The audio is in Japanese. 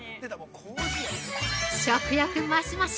食欲増し増し。